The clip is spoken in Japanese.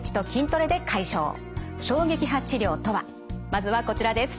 まずはこちらです。